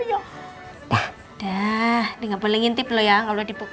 udah dia gak boleh ngintip lo ya kalo dibuka